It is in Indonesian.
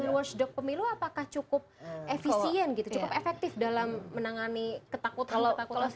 dengan watchdog pemilu apakah cukup efisien cukup efektif dalam menangani ketakutan ketakutan seperti ini